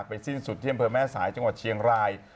สิ้นสุดที่อำเภอแม่สายจังหวัดเชียงราย